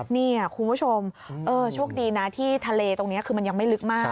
นี่คุณผู้ชมโชคดีนะที่ทะเลตรงนี้คือมันยังไม่ลึกมาก